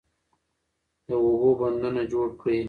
د اوبو بندونه جوړ کړئ.